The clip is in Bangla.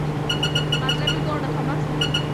মাতলামি করো না, থমাস!